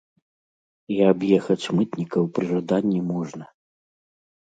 І аб'ехаць мытнікаў пры жаданні можна.